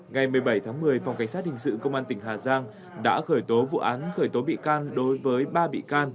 ngày một mươi bảy tháng một mươi phòng cảnh sát hình sự công an tỉnh hà giang đã khởi tố vụ án khởi tố bị can đối với ba bị can